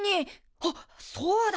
あっそうだ！